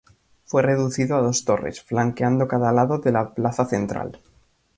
Fue reducido a dos torres flanqueando cada lado de la plaza central.